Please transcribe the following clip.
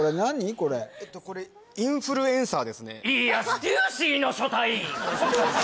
これえっとこれインフルエンサーですね